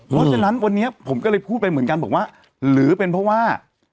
เพราะฉะนั้นวันนี้ผมก็เลยพูดไปเหมือนกันบอกว่าหรือเป็นเพราะว่า